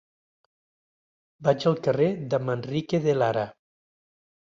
Vaig al carrer de Manrique de Lara.